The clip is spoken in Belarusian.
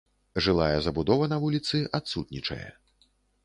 Жылая забудова на вуліцы адсутнічае.